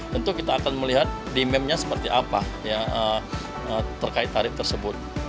tentu kita akan melihat di memnya seperti apa ya terkait tarif tersebut